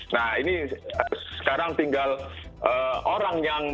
nah ini sekarang tinggal orang yang